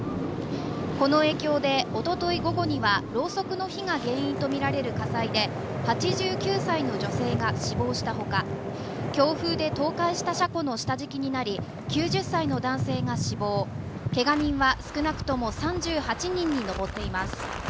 この影響でおととい午後にはろうそくの火が原因とみられる火災で８９歳の女性が死亡したほか強風で倒壊した車庫の下敷きになり９０歳の男性が死亡、けが人は少なくとも３８人に上っています。